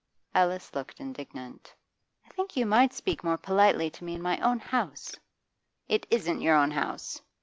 Alice looked indignant. 'I think you might speak more politely to me in my own house.' 'It isn't your own house.